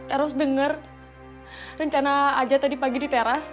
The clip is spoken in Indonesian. eros dengar rencana a'ajat tadi pagi di teras